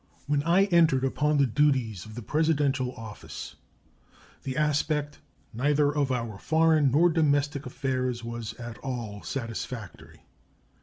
When I entered upon the duties of the Presidential office, the aspect neither of our foreign nor domestic affairs was at all satisfactory.